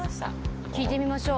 聞いてみましょう。